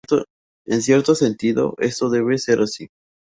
En cierto sentido, esto debe ser así.